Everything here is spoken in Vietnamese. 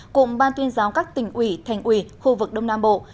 cùng ban tuyên giáo các tỉnh ủy thành ủy khu vực đông nam bộ